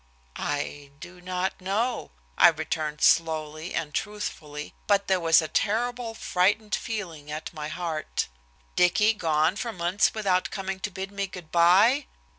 "I do not know," I returned slowly and truthfully, but there was a terrible frightened feeling at my heart. Dicky gone for months without coming to bid me good by!